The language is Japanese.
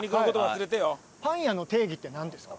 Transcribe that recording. パン屋の定義ってなんですか？